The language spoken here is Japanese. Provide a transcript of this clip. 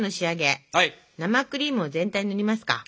生クリームを全体に塗りますか。ＯＫ！